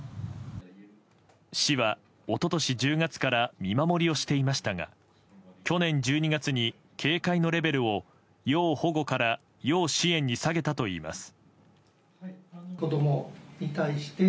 市は一昨年１０月から見守りをしていましたが去年１２月に警戒のレベルを要保護から要支援に下げたといいます。